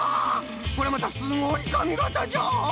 これまたすごいかみがたじゃ。